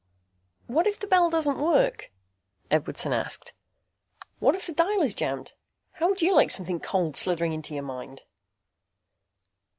"What if the bell doesn't work?" Edwardson asked. "What if the dial is jammed? How would you like something cold slithering into your mind?"